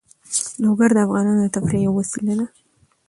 لوگر د افغانانو د تفریح یوه وسیله ده.